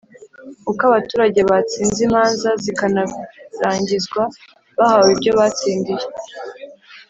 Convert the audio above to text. Uko baturage batsinze imanza zikanarangizwa bahawe ibyo batsindiye